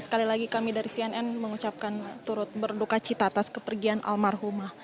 sekali lagi kami dari cnn mengucapkan turut berduka cita atas kepergian almarhumah